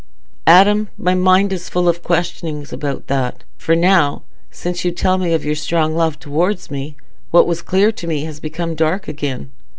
"Adam, my mind is full of questionings about that; for now, since you tell me of your strong love towards me, what was clear to me has become dark again.